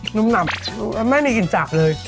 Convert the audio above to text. หนึ่บหนับแล้วไม่มีกลิ่นจะอาจเลย